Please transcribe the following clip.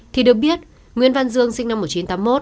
thì được biết nguyễn văn dương sinh năm một nghìn chín trăm tám mươi một